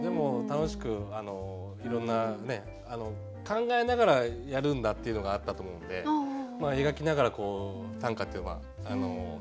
楽しくいろんなね考えながらやるんだっていうのがあったと思うんで描きながら短歌っていうのは大事なのかなっていう感じありましたし。